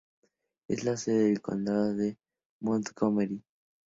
Es la sede del Condado de Montgomery.